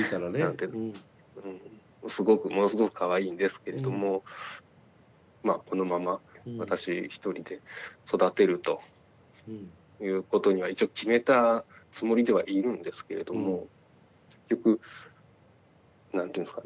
すごくものすごくかわいいんですけれどもまあこのまま私一人で育てるということには一応決めたつもりではいるんですけれども結局何ていうんですかね。